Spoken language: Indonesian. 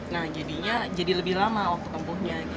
nah jadinya jadi lebih lama waktu tempuhnya